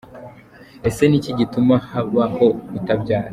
Ese ni iki gituma habaho kutabyara?.